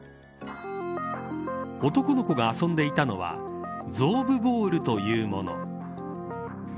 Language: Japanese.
男の子が遊んでいたのはゾーブボールというもの。